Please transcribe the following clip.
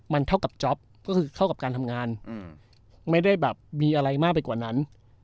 มันเท่ากับจ๊อปก็คือเท่ากับการทำงานไม่ได้แบบมีอะไรมากไปกว่านั้น